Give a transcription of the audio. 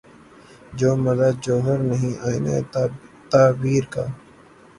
جو مزہ جوہر نہیں آئینۂ تعبیر کا